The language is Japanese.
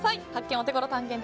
オテゴロ探検隊